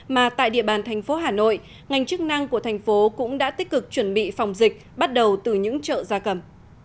mà tại địa bàn thành phố hà nội ngành chức năng của thành phố cũng đã tích cực chuẩn bị phòng dịch bắt đầu từ những chợ gia cầm